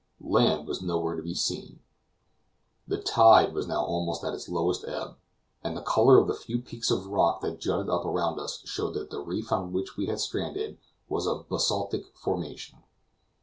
Land was nowhere to be seen. The tide was now almost at its lowest ebb, and the color of the few peaks of rock that jutted up around us showed that the reef on which we had stranded was of basaltic formation.